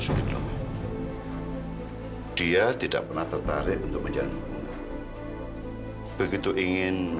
siap untuk menjawabnya